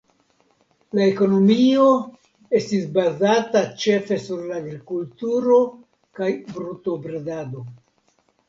La ekonomio estis bazata ĉefe sur la agrikulturo kaj brutobredado.